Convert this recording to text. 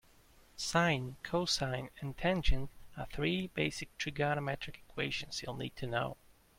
Sine, cosine and tangent are three basic trigonometric equations you'll need to know.